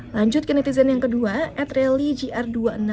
lanjut ke netizen yang kedua ed relly gr dua ribu enam ratus dua belas